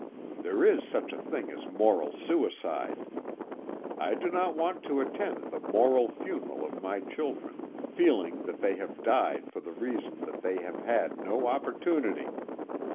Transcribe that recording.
There is such a thing as moral suicide. I do not want to attend the moral funeral of my children, feeling that they have died for the reason that they have had no opportunity.